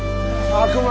悪魔！